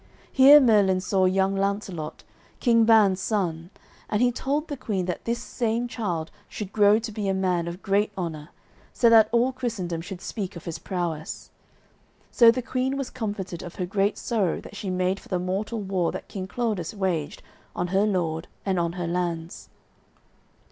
Here Merlin saw young Launcelot, King Ban's son, and he told the queen that this same child should grow to be a man of great honour, so that all Christendom should speak of his prowess. So the queen was comforted of her great sorrow that she made for the mortal war that King Claudas waged on her lord and on her lands.